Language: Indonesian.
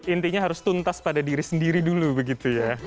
intinya harus tuntas pada diri sendiri dulu begitu ya